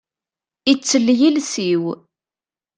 Ittel yiles-iw.